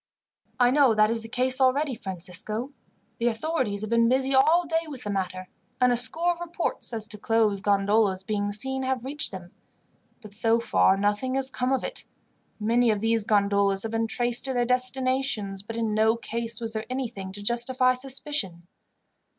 "I know that is the case already, Francisco. The authorities have been busy all day with the matter, and a score of reports as to closed gondolas being seen have reached them; but so far nothing has come of it. Many of these gondolas have been traced to their destinations, but in no case was there anything to justify suspicion.